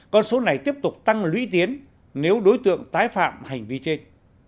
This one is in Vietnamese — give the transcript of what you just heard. con số này tiếp tục tăng lũy tiến nếu đối tượng tái phạm hành vi trên